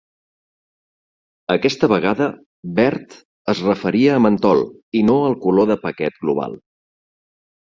Aquesta vegada "verd" es referia a mentol i no al color de paquet global.